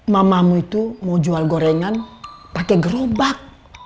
mamamu itu mau jual gorengan pakai gerobak